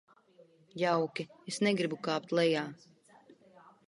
Jauki, es negribu kāpt lejā.